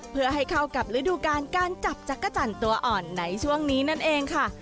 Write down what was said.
เพื่อให้เข้ากับฤดูการการจับจักรจันทร์ตัวอ่อนในช่วงนี้นั่นเองค่ะ